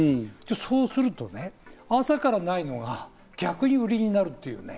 そうするとね、朝からないのが逆に売りになる。